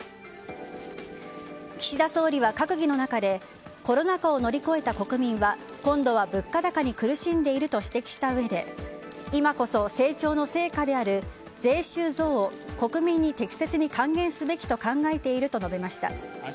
岸田総理は閣議の中でコロナ禍を乗り越えた国民は今度は物価高に苦しんでいると指摘したうえで今こそ成長の成果である税収増を国民に適切に還元すべきと考えていると述べました。